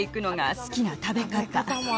好きな食べ方。